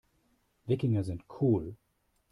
Wikinger sind cool.